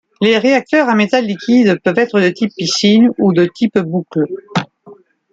Les réacteurs à métal liquide peuvent être de type piscine ou de type boucle.